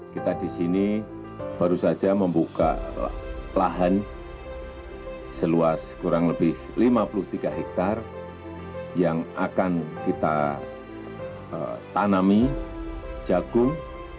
kita di sini baru saja membuka lahan seluas kurang lebih lima puluh tiga hektare yang akan kita tanami jagung